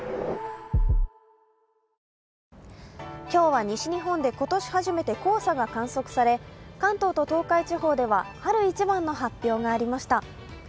今日は西日本で今年初めて黄砂が観測され、関東と東海地方では春一番の発表がありました。